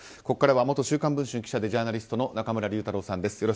ここからは元「週刊文春」記者でジャーナリスト中村竜太郎さんです。